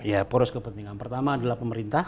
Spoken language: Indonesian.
ya poros kepentingan pertama adalah pemerintah